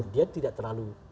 dia tidak terlalu